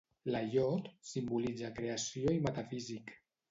La iod simbolitza creació i metafísic.